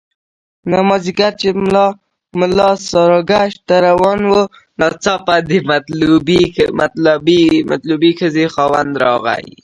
مازیګر چې ملا ساراګشت ته روان وو ناڅاپه د مطلوبې ښځې خاوند راغی.